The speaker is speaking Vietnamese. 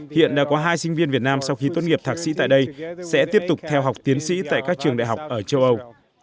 hiện đã có hai sinh viên việt nam sau khi tốt nghiệp thạc sĩ tại đây sẽ tiếp tục theo học tiến sĩ tại các trường đại học ở châu âu